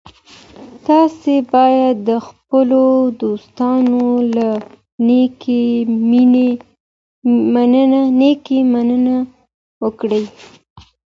تاسي باید د خپلو دوستانو له نېکۍ مننه وکړئ.